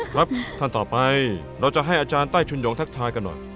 ครับท่านต่อไปเราจะให้อาจารย์ต้อยชุนหยงทักทายกันหน่อย